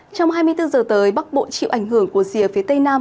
trong hai mươi bốn giờ tới bắc bộ chịu ảnh hưởng của rìa phía tây nam